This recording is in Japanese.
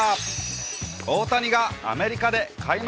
大谷がアメリカで開幕